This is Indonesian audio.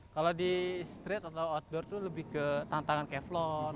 kalau di street atau outdoor itu lebih ke tantangan ke floor